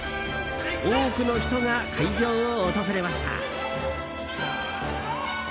多くの人が会場を訪れました。